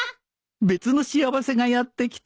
別の幸せがやって来た